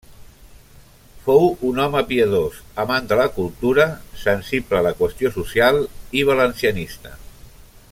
Fou un home piadós, amant de la cultura, sensible a la qüestió social i valencianista.